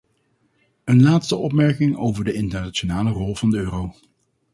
Een laatste opmerking over de internationale rol van de euro.